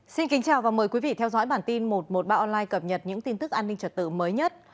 xin kính chào và mời quý vị theo dõi bản tin một trăm một mươi ba online cập nhật những tin tức an ninh trật tự mới nhất